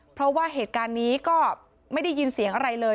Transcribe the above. เพราะว่าเหตุการณ์นี้ก็ไม่ได้ยินเสียงอะไรเลย